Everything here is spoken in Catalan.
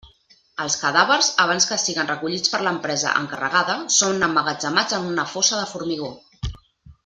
Els cadàvers, abans que siguen recollits per l'empresa encarregada, són emmagatzemats en una fossa de formigó.